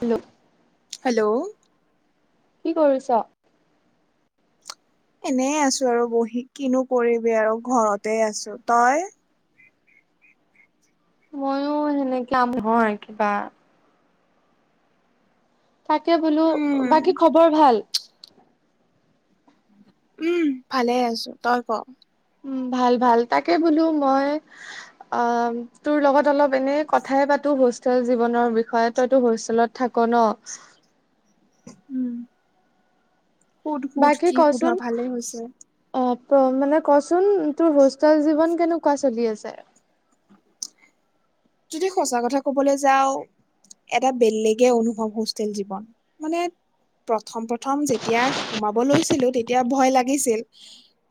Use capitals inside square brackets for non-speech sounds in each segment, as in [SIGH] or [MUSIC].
ক্লো [INAUDIBLE] hello. কি কৰিছ? এনেই আছো আৰু বহি, কিনো কৰিবি আৰু ঘৰতে আছোঁ। তই? মইয়ো সেনেকে হয় কিবা। তাকে বোলো, উম বাকী খবৰ ভাল? উম ভালে আছো। তই ক? উ' ভাল, ভাল। তাকে বোলো মই অ' তোৰ লগত অলপ মানে কথাই পাতো হোষ্টেল জীৱনৰ বিষয়ে। তইতো হোষ্টেলত থাক ন'? উম, সুধ, সুধ বাকী কি সুধ কচোন ভালে হৈছে। অ' মানে ক'চোন তোৰ হোষ্টেল জীৱন কেনেকুৱা চলি আছে? যদি সঁচা কথা ক'বলৈ যাওঁ। এটা বেলেগে অনুভৱ হোষ্টেল জীৱন মানে। প্ৰথম প্ৰথম যেতিয়া সোমাব লৈছিলো তেতিয়া ভয় লাগিছিল।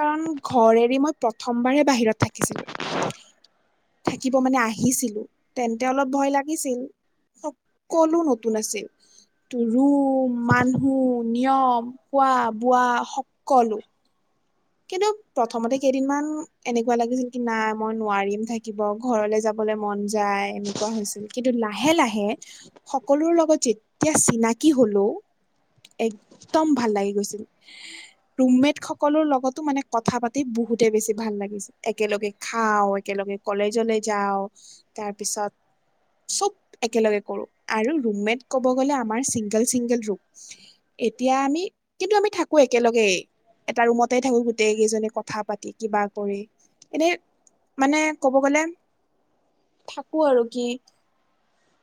কাৰণ ঘৰ এৰি মই প্ৰথমবাৰহে বাহিৰত থাকিছিলোঁ। থাকিব মানে আহিছিল। তেন্তে অলপ ভয় লাগিছিল সকলো নতুন আছিল। ত' ৰুম মানুহ নিয়ম খোৱা -বোৱা সকলো। কিন্তু প্ৰথমতে কেইদিনমান এনেকুৱা লাগিছিল কি নাই মই নোৱাৰিম থাকিব। ঘৰলৈ যাবলৈ মন যায় এনেকুৱা হৈছিল কিন্তু লাহে লাহে। সকলোৰে লগত যেতিয়া চিনাকি হলেওঁ। একদম ভাল লাগি গৈছিল ৰুমমেট সকলৰ লগত ত' মানে কথা পাতি বহুতে বেছি ভাল লাগিছে একেলগে খাও একেলগে কলেজলে যাওঁ। তাৰ পিছত চব একেলগে কৰো আৰু ৰুম মেট ক'ব গ'লে আমাৰ চিংগল চিংগল ৰুম এতিয়া আমি কিন্তু আমি থাকো একেলগে এটা ৰুমতে থাকো গ গোটে কেইজনে কথা পাতি কিবা কৰি এনেই মানে কব গ'লে। থাকো আৰু কি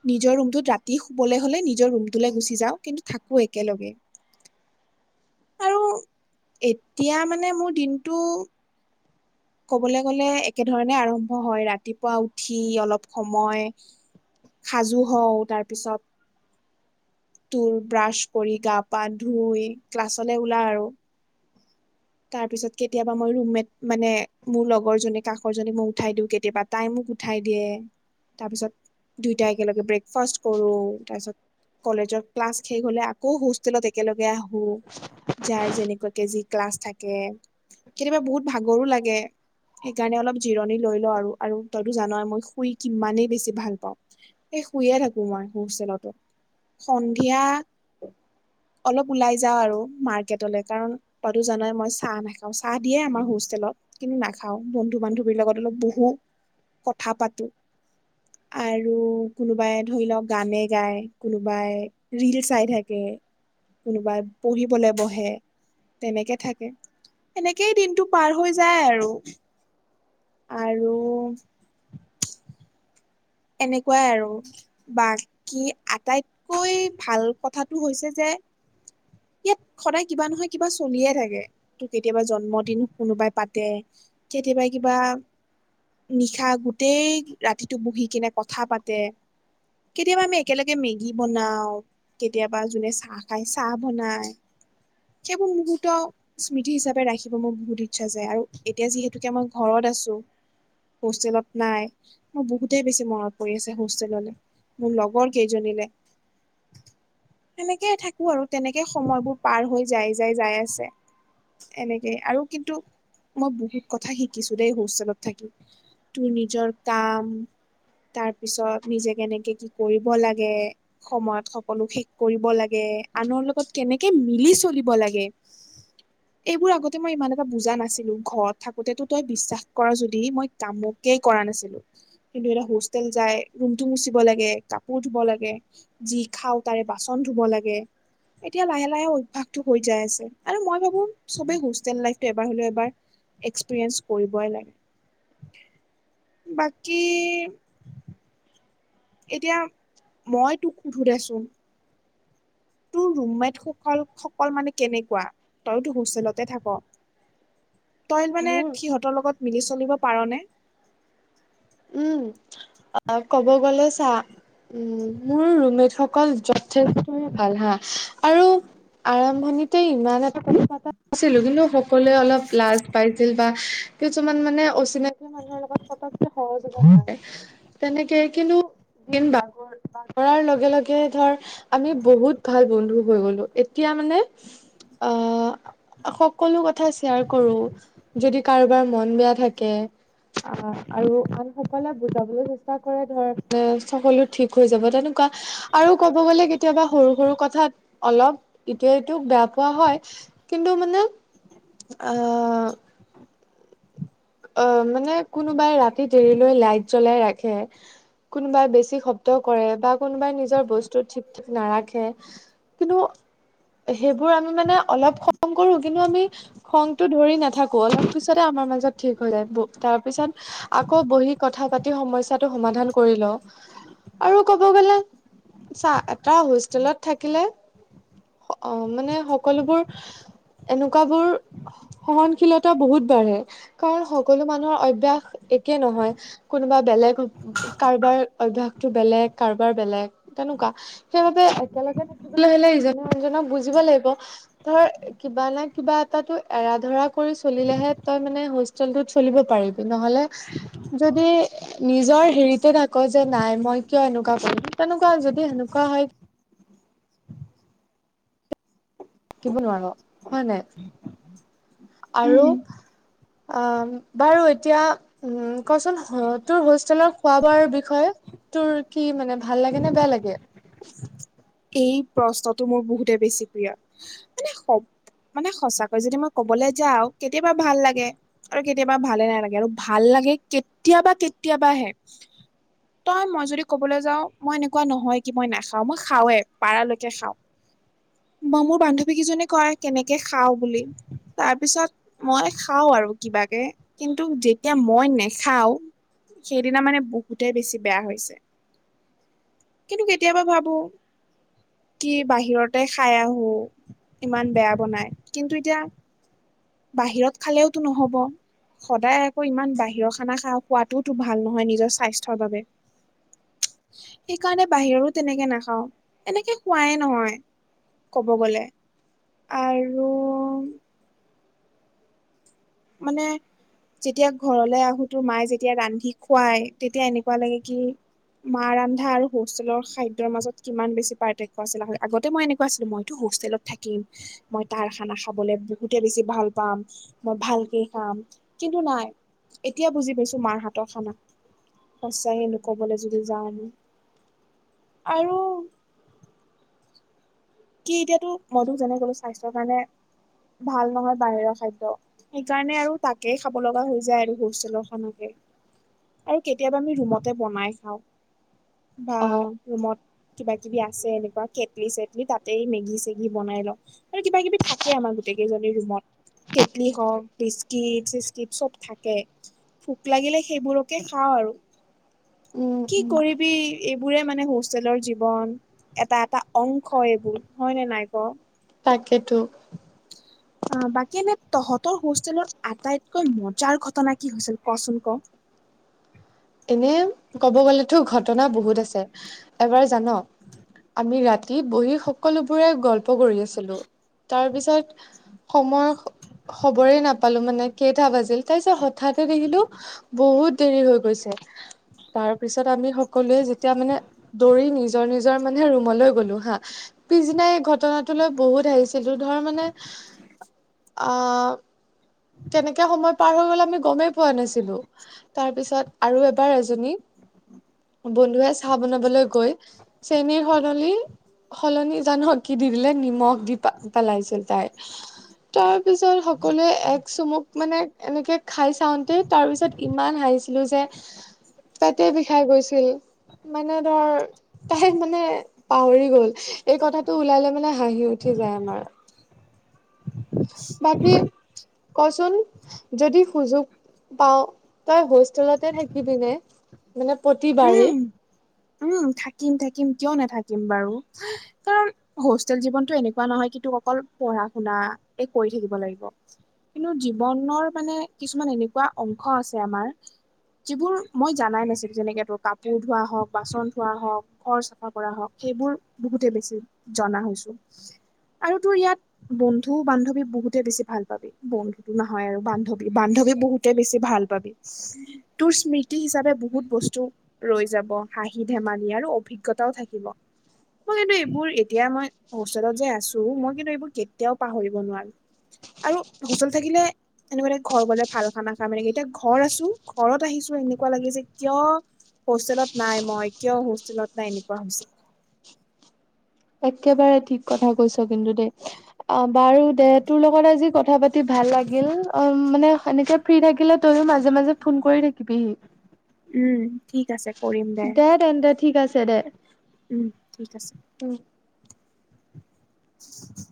নিজৰ ৰুমটোত ৰাতি শুবলৈ হলে নিজৰ ৰুমটোলৈ গুচি যাওঁ কিন্তু থাকো একেলগে [INAUDIBLE] আৰু এতিয়া মানে মোৰ দিনটো- ক'বলে গ'লে একেধৰণে আৰম্ভ হয় ৰাতিপুৱা উঠি অলপ সময়- সাজু হওঁ, তাৰ পিছত- তোৰ ব্ৰাছ কৰি গা পা ধুই ক্লাছলে ওলাও আৰু। তাৰ পিছত কেতিয়াবা মোৰ ৰুমমেট মানে- মোৰ লগৰ জনিক কাষৰজনিক মই উঠাই দিওঁ কেতিয়াবা, তাই মোক উঠাই দিয়ে। তাৰপিছত দুইটাই একেলগে ব্ৰেক- ফাষ্ট কৰো তাৰ পিছত কলেজত ক্লাছ শেষ হলে আকৌ হোষ্টেলত একেলগে আহ- হো যাৰ যেনেকুৱা কে যি ক্লাছ থাকে কেতিয়াবা বহুত ভাগৰো লাগে। সেইকাৰণে অলপ জিৰণি লৈ লও আৰু আৰু তইতো জানৈ মই শুই কিমানেই বেছি ভাল পাওঁ। সেই শুইয়ে থাকো মই বিছনাতে। সন্ধিয়া- অলপ ওলাই যাওঁ আৰু মাৰ্কেটলে কাৰণ- তইটো জানই মই চাহ নাখাওঁ, চাহ দিয়ে আমাৰ হোষ্টেলত। কিন্তু নাখাওঁ, বন্ধু বান্ধৱীৰ লগত অলপ বহু কথা পাতো। আৰু কোনোবাই ধৰি লোৱা গানে গায়, কোনোবাই- ৰীল চাই থাকে। কোনোবাই পঢ়িবলে বহে তেনেকে থাকে। এনেকেই দিনটো পাৰ হৈ যায় আৰু। আৰু- এনেকুৱাই আৰু। বাকী আটাইতকৈ ভাল কথাটো হৈছে যে- ইয়াত সদায় কিবা নহয় কিবা চলিয়ে থাকে। তো কেতিয়াবা জন্মদিন কোনোবাই পাতে, কেতিয়াবা কিবা- নিশা গোটেই ৰাতিটো বহি কিনে কথা পাতে, - কেতিয়াবা আমি একেলগে মেগী বনাও, - কেতিয়াবা যোনে চাহ খায় চাহ বনাই। সেইবোৰ মুহূুৰ্ত- স্মৃতি হিচাপে ৰাখিব মোৰ বহুত ইচ্ছা যায়, আৰু এতিয়া যিহেতুকে মই ঘৰত আছো- হোষ্টেলত নাই, মই বহুত- বহুতেই বেছি মনত পৰি আছে হোষ্টেললে মোৰ লগৰ কেইজনীলে। সেনেকেই থাকো আৰু তেনেকে সময়বোৰ পাৰ হৈ যাই যাই যাই আছে। এনেকেই আৰু কিন্তু, মই বহুত কথা শিকিছো দেই হোষ্টেলত থাকি। তোৰ নিজৰ কাম- তাৰ পিছত নিজে কেনেকে কি কৰিব লাগে? সময়ত সকলো শেষ কৰিব লাগ- গে। আনৰ লগত কেনেকে মিলি চলিব লাগে। [INAUDIBLE] এইবোৰ আগতে মই ইমান এটা বুজা নাছিলো, ঘৰত থাকোতেতো তই বিশ্বাস কৰা যদি মই কামক- কেই কৰা নাছিলো, কিন্তু এতিয়া হোষ্টেল যাই ৰুমটো মুচিব লাগে কাপোৰ ধুব লাগে। যি খাওঁ তাৰে বাচন ধুব লাগে। এতিয়া লাহে লাহে অভ্যাসটো হৈ যাই আছে, আৰু মই ভাবো চবেই হোষ্টেল লাইফটো এবাৰ হলেও এবাৰ- এক্সপেৰিয়েঞ্চ কৰিবই লাগে, বাকী- কি- এতিয়া মই তোক সোধোদেচোন- তোৰ ৰুমমেট সকল সকল মানে কেনেকুৱা? তয়তো হোষ্টেলতে থাক। তই মানে মোৰ সিহঁতৰ লগত মিলি চলিব পাৰ নে? উম' ক'ব গলে চা, উম' মোৰ ৰুমমেট সক- কল যথেষ্টে ভাল হাঁ, আৰু আৰম্ভণিতে ইমান এটা কথা পাতা- আছিল কিন্তু সকলোৱে অলপ লাজ পাইছিল বা কিছুমান মানে অচিনাকি মানু্হ [UNINTELLIGIBLE] সহজ [UNINTELLIGIBLE] তেনেকে কিনো দিন বাগৰ বাগৰাৰ লগে লগে ধৰ আমি বহুত ভাল বন্ধু হৈ গ'লো এতিয়া মানে অ'। সকলো কথা শ্বেয়াৰ কৰো, যদি কাৰোবাৰ মন বেয়া থাকে অ' আৰু আনসকলক বুজাবলৈ চেষ্টা কৰে ধৰনে সকলো ঠিক হৈ যাব তেনেকুৱা আৰু ক'ব গ'লে কেতিয়াবা সৰু-সৰু কথাত অলপ ইটোৱে সিটোক বেয়া পোৱা হয়। কিন্তু মানে আ আ মানে কোনোবাই ৰাতি দেৰিলৈ লাইট জ্বলাই ৰাখে। কোনোবাই বেছি শব্দ কৰে বা কোনোবাই নিজৰ বস্তু ঠিক-ঠিক নাৰাখে। কিন্তু সেইবোৰ আমি মানে অলপ খং কৰো কিন্তু আমি খংটো ধৰি নাথাকো, অলপ পিছতে আমাৰ মাজত ঠিক হৈ যায়। তাৰপিছত আকৌ বহি কথা পাতি সমস্যাটো সমাধান কৰি লওঁ। আৰু ক'ব গ'লে চা- এটা হোষ্টেলত থাকিলে অ' মানে সকলোবোৰ এনেকুৱাবোৰ সহনশীলতা বহুত বাঢ়ে। কাৰণ সকলো মানুহৰ অভ্যাস একে নহয়, কোনোবা বেলেগ কাৰোবাৰ অভ্যাসটো বেলেগ, কাৰোবাৰ বেলেগ তেনোকা। সেহতে একেলগে থাকিবলৈ হ'লে ইজনে আনজনক বুজিব লাগিব। ধৰ, কিবা নে কিবা এটাটো এৰা ধৰা কৰি চলিলেহে তই মানে হোচ চলটোত চলিব পাৰিবি, নহ'লে যদি নিজৰ হেৰিতে তাক' যে নাই মই কিয় এনেকুৱা কৰিম, তেনেকুৱা যদি সেনেকুৱা হয় থাকিব নোৱাৰ। হয় নাই? আৰু উম আম, বাৰু এতিয়া উ, কচোন তোৰ হোষ্টেলৰ খোৱা-বোৱাৰ বিষয়ে? তোৰ কি মানে ভাল লাগে নে বেয়া লাগে? এই প্ৰশ্নটো মোৰ বহুতে বেছি প্ৰিয় মানে শৱ মানে সঁচাকৈ যদি মই ক'বলৈ যাওঁ, কেতিয়াবা ভাল লাগে। আৰু কেতিয়াবা ভালে নালাগে, আৰু ভাল লাগে কেতিয়াবা কেতিয়াবাহে। তই মই যদি ক'বলৈ যাওঁ, মই এনেকুৱা নহয় কি মই নাখাওঁ মই খাওএ। পাৰালৈকে খাওঁ। বা মোৰ বান্ধৱী কেইজনী কয় কেনেকে খাওঁ বুলি তাৰ পিছত মই খাওঁ আৰু কিবাকে, কিন্তু যেতিয়া মই নেখাওঁ সেইদিনা মানে বহুতে বেছি বেয়া হৈছে, কিন্তু কেতিয়াবা ভাবো কি বাহিৰতে খাই আহোঁ, ইমান বেয়া বনাই। কিন্তু এতিয়া বাহিৰত খালেওতো নহ'ব। সদায় আকৌ ইমান বাহিৰৰ খানা খা-খোৱাটোতো ভাল নহয় নিজৰ স্বাস্থ্যৰ বাবে। সেইকাৰণে বাহিৰৰো তেনেকে নাখাওঁ, এনেকে খোৱায়ে নহয়। ক'ব গ'লে আৰু মানে যেতিয়া ঘৰলে আহোঁ তোৰ মায়ে যেতিয়া ৰান্ধি খুৱাই, তেতিয়া এনেকুৱা লাগে কি মা ৰন্ধা আৰু হোষ্টেলৰ খাদ্যৰ মাজত কিমান বেছি পাৰ্থক্য আছিলে। আগতে মই এনেকুৱা আছিলোঁ মইতো হোষ্টেলত থাকিম। মই তাৰ খানা খাবলে বহুতে বেছি ভাল পাম। মই ভাল কি খাম কিন্তু নাই, এতিয়া বুজি পাইছোঁ মাৰ হাতৰ খানা। সঁচাকে ক'বলৈ যদি যাওঁ আমি আৰু কি এতিয়াতো, মই তোৰ যেনে গ'লো স্বাস্থ্যৰ কাৰণে ভাল নহয় বাহিৰৰ খাদ্য। সেইকাৰণে আৰু তাকে খাব লগা হৈ যায় আৰু হোষ্টেলৰ খানাকে। আৰু কেতিয়াবা আমি ৰুমতে বনাই খাওঁ। বা অ'। ৰুমত কিবা কিবি আছে এনেকুৱা কেটলি-চেটলি তাত তাতে মেগি-চেগি বনাই লওঁ আৰু কিবা কিবি থাকে আমাৰ গোটেই কেইজনীৰ ৰুমত। কেটলি হওঁক বিস্কিট-চিস্কিট চব থাকে, ভোক লাগিলে সেইবোৰক কে খাওঁ আৰু। উম, কি উম, কৰিবি এইবোৰে মানে হোষ্টেলৰ জীৱন। এটা এটা অংশ এইবোৰ, হয়নে নাই ক? তাকেতো। [INAUDIBLE] অ বাকী এনে তহঁতৰ হোষ্টেলৰ আটাইতকৈ মজাৰ ঘটনা কি হৈছিল কচোন ক? এনে ক'ব গ'লেতো ঘটনা বহুত আছে, এবাৰ জানো আমি ৰাতি বহি সকলোবোৰে গল্প কৰি আছিলোঁ তাৰপিছত সময় খবৰে নাপালোঁ মানে কেইটা বাজিল তাৰ পিছত হঠাতে দেখিলোঁ বহুত দেৰি হৈ গৈছে। তাৰ পিছত আমি সকলোৱে যেতিয়া মানে দৌৰি নিজৰ নিজৰ মানে ৰুমলৈ গ'লো হা পিছদিনাই এই ঘটনাটো লৈ বহুত হাঁহিছিলো ধৰ মানে আহ কেনেকে সময় পাৰ হৈ গ'ল আমি গমেই পোৱা নাছিলো। তাৰ পিছত আৰু এবাৰ এজনী বন্ধুৱে চাহ বনাবলৈ গৈ চেনীৰ সলনি সলনি জানো কি দি দিলে নিমখ দি পেলাইছিল তাই। তাৰ পিছত সকলোৱে এক চুমোক মানে এনেকে খাই চাওঁতেই তাৰপিছত ইমান হাঁহিছিলো যে পেটে বিষাই গৈছিল মানে ধৰ তাই মানে পাহৰি গ'ল, এই কথাটো ওলালে মানে হাঁহি উঠি যায় আমাৰ। বাকী কচোন যদি সুযোগ পাওঁ, তই হোষ্টেলতে থাকিবিনে মানে প্ৰতিবাৰে? উম, উম থাকিম থাকিম কিয় নাথাকিম বাৰু। কাৰণ হোষ্টেল জীৱনটো এনেকুৱা নহয় কি তোৰ অকল পঢ়া শুনা এই কৰি থাকিব লাগিব। কিন্তু জীৱনৰ মানে কিছুমান এনেকুৱা অংশ আছে আমাৰ যিবোৰ মই জানাই নাছিলোঁ যেনেকে ত কাপোৰ ধোৱা হওঁক, বাচন ধোৱা হওঁক, ঘৰ চাফা কৰা হওঁক, সেইবোৰ বহুতেই বেছি জনা হৈছোঁ আৰু তোৰ ইয়াত বন্ধু বান্ধৱী বহুতে বেছি ভাল পাবি। বন্ধুতো নহয় আৰু বান্ধৱী বান্ধৱী বহুতে বেছি ভাল পাবি। তোৰ স্মৃতি হিচাপে বহুত বস্তু ৰৈ যাব হাঁহি ধেমালি আৰু অভিজ্ঞতাও থাকিব। মই কিন্তু এইবোৰ এতিয়া মই হোষ্টেলত যে আছোঁ মই কিন্তু এইবোৰ কেতিয়াও পাহৰিব নোৱাৰো। আৰু হোষ্টেলত থাকিলে এনেকুৱা লাগে ঘৰ গ'লে ভাল খানা খাম, এতিয়া ঘৰ আছোঁ ঘৰত আহিছোঁ এনেকুৱা লাগে যে কিয় হোষ্টেলত নাই মই কিয় হোষ্টেলত নাই এনেকুৱা হৈছে। একেবাৰে ঠিক কথা কৈছা কিন্তু দেই। অ বাৰু দে তোৰ লগত আজি কথা পাতি ভাল লাগিল অ মানে সেনেকে ফ্ৰী থাকিলে তইয়ও মাজে মাজে ফোন কৰি থাকিবিহি। উম, ঠিক আছে। দে, তেন্তে ঠিক আছে দে, উম ঠিক আছে। উম। উ